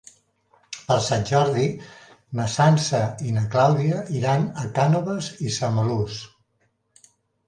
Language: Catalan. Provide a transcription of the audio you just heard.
Per Sant Jordi na Sança i na Clàudia iran a Cànoves i Samalús.